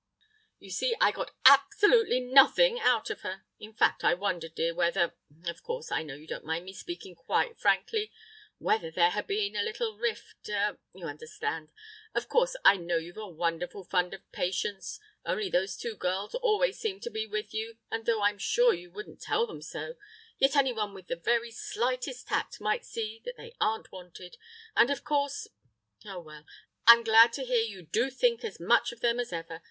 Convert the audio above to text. "You see, I got absolutely nothing out of her. In fact, I wondered, dear, whether—of course, I know you don't mind me speaking quite frankly—whether there had been any little rift—er—you understand; of course I know you've a wonderful fund of patience, only those two girls always seem to be with you, and though I'm sure you wouldn't tell them so, yet anyone with the very slightest tact might see that they aren't wanted. And of course.... "Oh, well, I'm glad to hear you do think as much of them as ever.